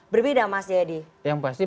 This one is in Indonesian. berbeda mas jayadi yang pasti